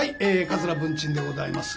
桂文珍でございます。